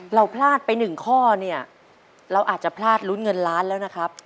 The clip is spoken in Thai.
เราพลาดไปหนึ่งข้อเนี่ยเราอาจจะพลาดลุ้นเงินล้านแล้วนะครับ